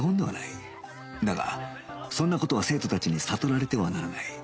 だがそんな事は生徒たちに悟られてはならない